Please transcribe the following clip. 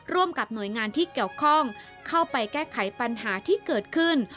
ร่วมกับหน่วยงานที่เกี่ยวข้องเข้าไปแก้ไขปัญหาที่เกิดขึ้น